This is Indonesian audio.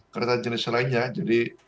kereta jenis lainnya jadi